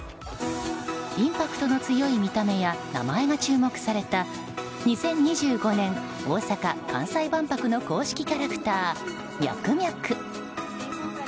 インパクトの強い見た目や名前が注目された２０２５年、大阪・関西万博の公式キャラクターミャクミャク。